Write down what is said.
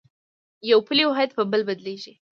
یو پولي واحد په بل بدلېږي.